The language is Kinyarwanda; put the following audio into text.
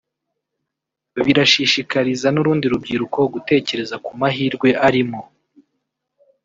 birashishikariza n’urundi rubyiruko gutekereza ku mahirwe arimo